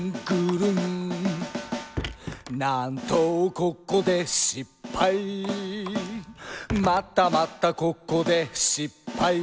ここでしっぱい」「またまたここでしっぱい」